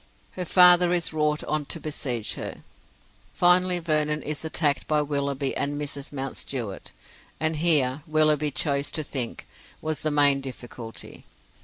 Her father is wrought on to besiege her. Finally Vernon is attacked by Willoughby and Mrs. Mountstuart: and here, Willoughby chose to think, was the main difficulty.